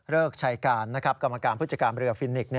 เริ่กใช้การกรรมการพุจกรรมเรือฟินนิกส์